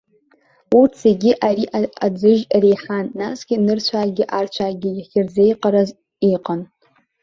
Урҭ зегьы ари аӡыжь реиҳан, насгьы, нырцәаагьы аарцәаагьы иахьырзеиҟараз иҟан.